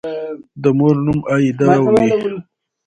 د مور نوم «آیدا» وي